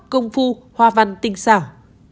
công phu hoa văn tinh xảo